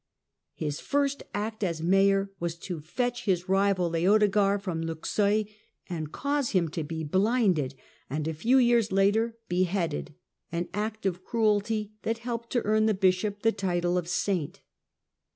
His first act as mayor was to fetch his rival Leodegar from Luxeuil and cause him to be blinded and, a few years later, beheaded, an act of cruelty that helped to earn for the bishop the title of saint.